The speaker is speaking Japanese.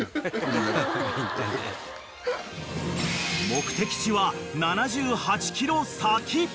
［目的地は７８ｋｍ先］